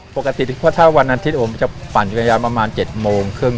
ปกติเพราะถ้าวันอาทิตย์ผมจะปั่นจักรยานประมาณ๗โมงครึ่ง